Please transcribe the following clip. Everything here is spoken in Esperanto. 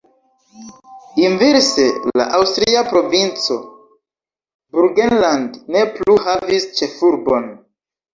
Inverse la aŭstria provinco Burgenland ne plu havis ĉefurbon.